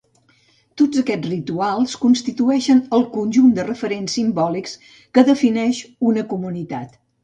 Tots aquests rituals constitueixen el conjunt de referents simbòlics que defineix una comunitat.